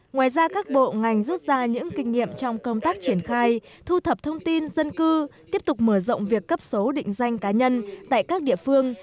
ngoài ra các bộ ngành rút ra những kinh nghiệm trong công tác triển khai thu thập thông tin dân cư tiếp tục mở rộng việc cấp số định danh cá nhân tại các địa phương